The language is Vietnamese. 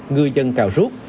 người dân cào rút